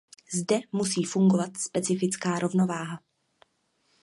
Zde musí fungovat specifická rovnováha.